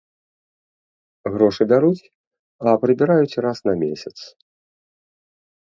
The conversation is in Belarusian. Грошы бяруць, а прыбіраюць раз на месяц.